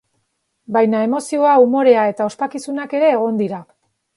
Baina emozioa, umorea eta ospakizunak ere egon dira.